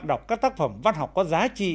đọc các tác phẩm văn học có giá trị